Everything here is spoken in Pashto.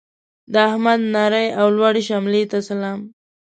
د احمد نرې او لوړې شملې ته سلام.